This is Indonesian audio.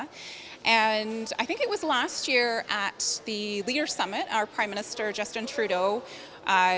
jadi tahun ini kami sangat fokus pada implementasi keputusan pemimpin